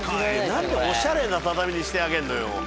何でおしゃれな畳にしてあげんのよ。